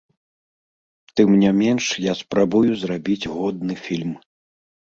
Тым не менш, я спрабую зрабіць годны фільм.